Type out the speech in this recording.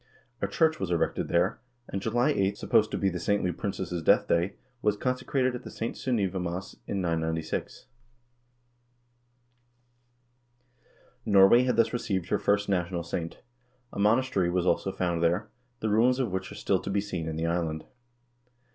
A church was erected there, and July 8th, supposed to be the saintly princess' death day, was consecrated as the St. Sunnivamas in 996. Norway had thus received her first national saint. A monas tery was also founded there, the ruins of which are still to be seen in the island.